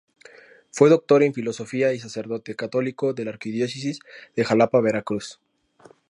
Fue Doctor en Filosofía y sacerdote católico de la Arquidiócesis de Xalapa, Veracruz.